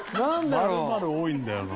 ○○多いんだよな。